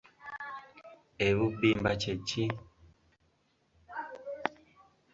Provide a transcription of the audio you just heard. Ebubbimba kye ki?